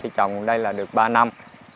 trồng đây là được ba năm